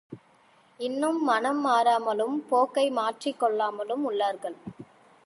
இன்னும் மனம் மாறாமலும், போக்கை மாற்றிக் கொள்ளாமலும் உள்ளார்கள்.